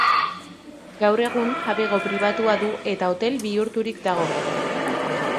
Gaur egun jabego pribatua du eta hotel bihurturik dago.